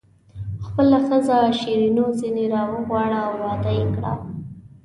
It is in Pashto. خپله ښځه شیرینو ځنې راوغواړه او واده یې کړه.